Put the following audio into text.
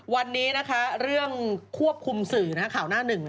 วันนี้นะคะเรื่องควบคุมสื่อข่าวหน้าหนึ่ง